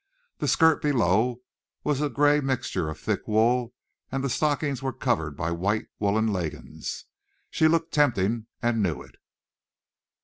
The skirt below was a grey mixture of thick wool and the stockings were covered by white woolen leggings. She looked tempting and knew it.